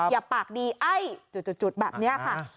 อยากปากดีไอ้จุดแบบนี้ค่ะ